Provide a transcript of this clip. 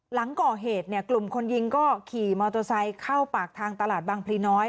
หลังก่อเหตุเนี่ยกลุ่มคนยิงก็ขี่มอเตอร์ไซค์เข้าปากทางตลาดบางพลีน้อย